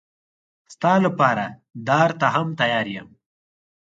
ستا لپاره دار ته هم تیار یم.